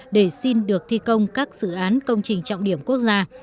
để xin được thi công các dự án công trình trọng điểm quốc gia